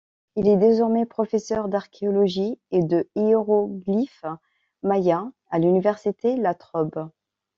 Il est désormais professeur d'archéologie et de hiéroglyphes mayas à l'université La Trobe.